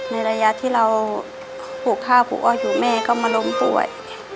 ในระยะที่เราปลูกข้าวปลูกอ้ออยู่แม่ก็มาล้มป่วย